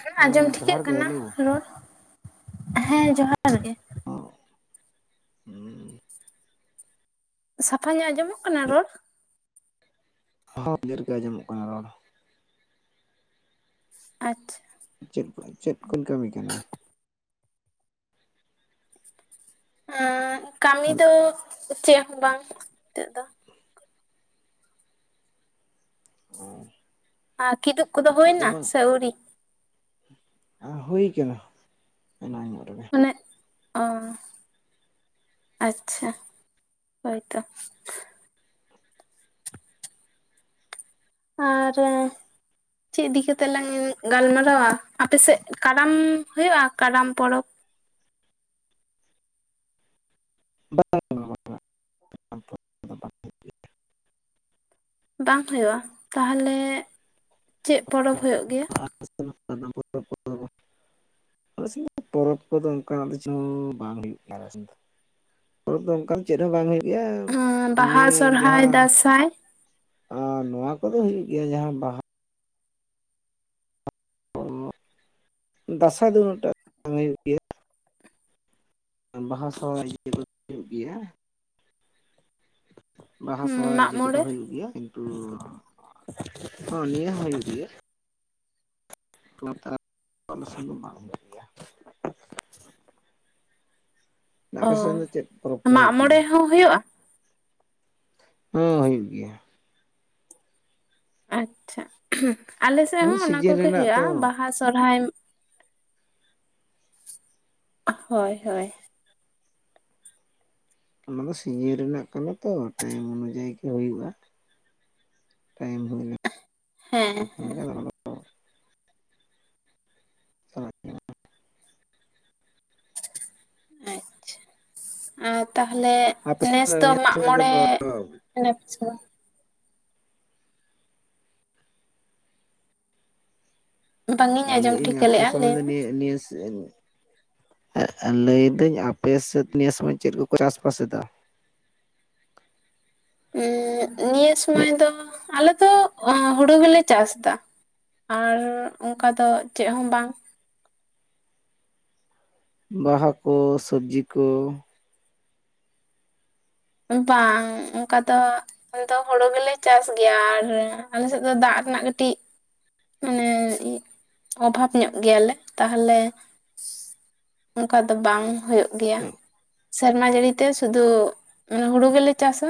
ᱦᱮᱸ ᱟᱸᱡᱚᱢ ᱦᱩᱸ ᱴᱷᱤᱠᱟᱹᱜ ᱡᱚᱦᱟᱨ ᱜᱮ ᱠᱟᱱᱟ ᱦᱮᱞᱳ ᱨᱚᱲ ᱦᱮᱸ ᱡᱚᱦᱟᱨ ᱜᱮ ᱚᱻ ᱦᱩᱸ ᱥᱟᱯᱷᱟ ᱧᱚᱜ ᱟᱸᱡᱚᱢᱚᱜ ᱠᱟᱱᱟ ᱨᱚᱲ ᱦᱚᱸ ᱰᱮᱨ ᱜᱮ ᱟᱸᱡᱚᱢᱚᱜ ᱠᱟᱱᱟ ᱨᱚᱲ ᱟᱪᱷ ᱪᱮᱫ ᱠᱚ ᱪᱮᱫ ᱠᱩᱧ ᱠᱟᱹᱢᱤ ᱠᱟᱱᱟ᱾ ᱮᱸᱻ ᱠᱟᱹᱢᱤ ᱫᱚ ᱪᱮᱫ ᱦᱚᱸ ᱵᱟᱝ ᱱᱤᱛᱚᱜ ᱫᱚ ᱚᱸ [unintelligible] ᱟ ᱠᱤᱫᱩᱵ ᱠᱚᱫᱚ ᱦᱩᱭ ᱱᱟ ᱥᱮ ᱟ. ᱣᱨᱤ ᱟᱸ ᱦᱩᱭ ᱠᱟᱱᱟ᱾ ᱮᱱᱟᱱ ᱧᱚᱜ ᱨᱮᱜᱮ ᱢᱟᱱᱮ ᱚᱸᱻ ᱟᱪᱪᱷᱟ ᱦᱳᱭ ᱛᱚ ᱟ ᱨᱮᱸᱻ ᱪᱮᱫ ᱤᱫᱤ ᱠᱟᱛᱮᱜ ᱞᱟᱝ ᱜᱟᱞᱢᱟᱨᱟᱣᱟ ᱟᱯᱮᱥᱮᱫ ᱠᱟᱨᱟᱢ ᱦᱩᱭᱩᱜᱼᱟ ᱠᱟᱨᱟᱢ ᱯᱚᱨᱚᱵᱽ ᱵᱟᱝ ᱵᱟᱝ ᱦᱩᱭᱩᱜᱼᱟ᱾ ᱛᱟᱦᱚᱞᱮ ᱪᱮᱫ ᱯᱚᱨᱚᱵᱽ ᱦᱩᱭᱩᱜ ᱜᱮᱭᱟ [unintelligible] ᱟᱞᱮ ᱥᱮᱫ ᱫᱚ ᱯᱚᱨᱚᱵᱽ ᱠᱚᱫᱚ ᱚᱱᱠᱟᱱᱟᱜ ᱪᱚᱝ ᱵᱟᱝ ᱦᱩᱭᱩᱜ ᱜᱮᱭᱟ ᱟᱞᱮ ᱥᱮᱫ ᱫᱚ ᱯᱚᱨᱚᱵᱽ ᱫᱚ ᱚᱱᱠᱟᱱ ᱪᱮᱫ ᱦᱚᱸ ᱵᱟᱝ ᱦᱩᱭᱩᱜ ᱜᱮᱭᱟ ᱵᱟᱦᱟ ᱮᱢᱱᱤ ᱥᱚᱨᱦᱟᱭ ᱡᱟᱦᱟᱸ ᱫᱟᱸᱥᱟᱭ ᱟᱸ ᱱᱚᱣᱟ ᱠᱚᱫᱚ ᱦᱩᱭᱩᱜ ᱜᱮᱭᱟ ᱡᱟᱦᱟᱸ ᱵᱟᱦᱟ ᱫᱟᱥᱟᱸᱭ ᱫᱚ ᱩᱱᱟᱹᱜ ᱴᱟᱜ ᱵᱟᱝ ᱦᱩᱭᱩᱜ ᱜᱮᱭᱟ ᱵᱟᱦᱟ ᱥᱚᱦᱨᱟᱭ ᱤᱱᱠᱟᱹ ᱫᱚ ᱦᱩᱭᱩᱜ ᱜᱮᱭᱟ ᱵᱟᱦᱟ ᱥᱚᱦᱨᱟᱭ ᱢᱟᱜ ᱤᱭᱟᱹ ᱠᱚᱫᱚ ᱢᱚᱬᱮ ᱦᱩᱭᱩᱜ ᱜᱮᱭᱟ ᱠᱤᱱᱛᱩ ᱦᱚᱸ ᱱᱤᱭᱟᱹ ᱦᱚᱸ ᱦᱩᱭᱩᱜ ᱜᱮᱭᱟ ᱱᱮᱛᱟᱨ [unintelligible] ᱚᱸ ᱥᱮᱱ ᱫᱚ ᱵᱟᱝ ᱦᱩᱭᱩᱜ ᱜᱮᱭᱟ ᱟᱯᱮ ᱥᱮᱱ ᱫᱚ ᱪᱮᱫ ᱯᱚᱨᱚᱵᱽ ᱠᱚ ᱢᱟᱜ ᱦᱩᱭᱩᱜ ᱢᱚᱬᱮ ᱜᱮᱭᱟ ᱦᱚᱸ ᱦᱩᱭᱩᱜᱼᱟ᱾ ᱦᱚᱸ ᱦᱩᱭᱩᱜ ᱜᱮᱭᱟ ᱟᱪᱪᱷᱟ ᱟᱞᱮᱥᱮᱫ ᱦᱚᱸ ᱚᱱᱟ ᱥᱤᱡᱤᱱ ᱠᱚᱜᱮ ᱨᱮᱱᱟᱜ ᱦᱩᱭᱩᱜᱼᱟ ᱛᱚ ᱵᱟᱦᱟ ᱥᱚᱨᱦᱟᱭ ᱦᱳᱭ ᱦᱳᱭ ᱚᱱᱟ ᱫᱚ ᱥᱤᱡᱮᱱ ᱨᱮᱱᱟᱜ ᱠᱟᱱᱟ ᱛᱚ ᱴᱟᱭᱤᱢ ᱚᱱᱩᱡᱟᱭᱤ ᱜᱮ ᱦᱩᱭᱩᱜᱼᱟ᱾ ᱴᱟᱭᱤᱢ ᱦᱩᱭ ᱞᱮᱱ ᱦᱮᱸ ᱦᱮᱸ [unintelligible] ᱟᱪᱪᱷᱟ ᱟᱨ ᱛᱟᱦᱚᱞᱮ ᱟᱯᱮ ᱱᱮᱥ ᱫᱚ ᱱᱤᱭᱟᱹ ᱢᱟᱜ ᱥᱚᱢᱚᱭ ᱢᱚᱬᱮ ᱫᱚ [unintelligible] ᱵᱟᱝ ᱤᱧ ᱟᱸᱡᱚᱢ ᱞᱟᱹᱭᱮᱫ ᱟᱹᱧ ᱴᱷᱤᱠᱟᱹ ᱟᱯᱮ ᱞᱮᱫᱼᱟ ᱥᱚᱢᱚᱭ ᱞᱟᱹᱭ ᱫᱚ ᱱᱤᱭᱟᱹ ᱱᱤᱭᱟᱹ ᱥᱮᱱ ᱮᱸᱜ ᱞᱟᱹᱭ ᱫᱟᱹᱧ ᱟᱯᱮᱥᱮᱫ ᱱᱤᱭᱟᱹ ᱥᱚᱢᱚᱭ ᱪᱮᱫ ᱠᱚᱠᱚ ᱪᱟᱥ ᱵᱟᱥ ᱮᱫᱟ ᱩᱸᱻ ᱱᱤᱭᱟᱹ ᱥᱩᱢᱟᱹᱭ ᱫᱚ ᱟᱞᱮ ᱫᱚ ᱚᱸᱻ ᱦᱩᱲᱩ ᱜᱮᱞᱮ ᱪᱟᱥ ᱫᱟ ᱟᱨ ᱚᱝᱠᱟ ᱫᱚ ᱪᱮᱫ ᱦᱚᱸ ᱵᱟᱝ ᱵᱟᱦᱟ ᱠᱚ ᱥᱚᱵᱽᱡᱤ ᱠᱚ ᱵᱟᱝ ᱚᱝᱠᱟ ᱫᱚ ᱟᱞᱮ ᱫᱚ ᱦᱳᱲᱳ ᱜᱮᱞᱮ ᱪᱟᱥ ᱜᱮᱭᱟ ᱟᱨ ᱟᱞᱮᱥᱮᱫ ᱫᱚ ᱫᱟᱜ ᱨᱮᱱᱟᱜ ᱠᱟᱹᱴᱤᱡ ᱢᱟᱱᱮ ᱤᱡ ᱚᱵᱷᱟᱵᱽ ᱧᱚᱜ ᱜᱮᱭᱟᱞᱮ ᱛᱟᱦᱚᱞᱮ ᱚᱝᱠᱟ ᱫᱚ ᱵᱟᱝ ᱦᱩᱭᱩᱜ ᱜᱮᱭᱟ᱾ ᱥᱮᱨᱢᱟ ᱡᱟᱹᱲᱤ ᱛᱮ ᱥᱩᱫᱩ ᱚᱱᱮ ᱦᱩᱲᱩ ᱜᱮᱞᱮ ᱪᱟᱥᱟ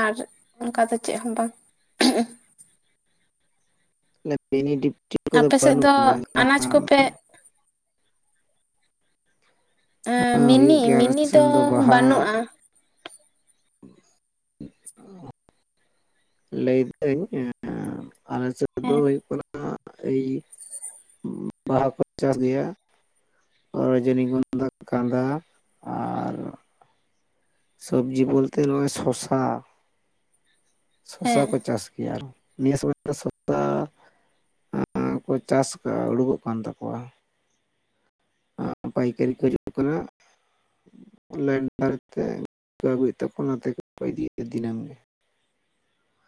ᱟᱨ ᱩᱝᱠᱟ ᱫᱚ ᱪᱮᱜ ᱦᱚᱸ ᱵᱟᱝ᱾ [unintelligible] ᱟᱯᱮ ᱥᱮᱫ ᱫᱚ ᱟᱱᱟᱡ ᱠᱚᱯᱮ ᱦᱮᱸ ᱢᱤᱱᱤ ᱦᱩᱭᱩᱜ ᱜᱮᱭᱟ ᱟᱞᱮ ᱢᱤᱱᱤ ᱥᱮᱱ ᱫᱚ ᱵᱟᱦᱟ, ᱵᱟᱹᱱᱩᱜᱼᱟ ᱞᱟᱹᱭᱫᱟᱹᱧ ᱮᱸ ᱟᱞᱮᱥᱮᱫ ᱫᱚ ᱦᱮᱸ ᱦᱳᱭᱳᱜ ᱠᱟᱱᱟ ᱟᱭᱤ ᱵᱟᱦᱟ ᱠᱚ ᱪᱟᱥ ᱜᱮᱭᱟ᱾ ᱨᱚᱡᱚᱱᱤ ᱜᱚᱱᱫᱟ, ᱠᱟᱸᱫᱟ ᱟᱨ ᱥᱚᱵᱽᱡᱤ ᱵᱚᱞᱛᱮ ᱱᱚᱜ-ᱚᱭ ᱥᱚᱥᱟ᱾ ᱥᱚᱥᱟ ᱦᱮᱸ ᱠᱚ ᱪᱟᱥ ᱜᱮᱭᱟ ᱟᱨ᱾ ᱱᱤᱭᱟᱹ ᱥᱚᱢᱚᱭ ᱫᱚ ᱥᱚᱛᱛᱟ ᱟᱸ ᱠᱚ ᱪᱟᱥ ᱠᱟ ᱩᱰᱩᱠᱚᱜ ᱠᱟᱱ ᱛᱟᱠᱚᱣᱟ᱾ ᱟᱸ ᱯᱟᱭᱠᱟᱹᱨᱤ ᱠᱚ ᱦᱤᱡᱩᱜ ᱠᱟᱱᱟ᱾ ᱞᱮᱱᱰᱟᱨᱛᱮ ᱠᱚ ᱟᱜᱩᱭᱮᱫ ᱛᱟᱠᱚ ᱚᱱᱟᱛᱮ ᱛᱮᱜᱮ ᱠᱚ ᱤᱫᱤ ᱤᱫᱤᱞᱮᱢ ᱜᱮ᱾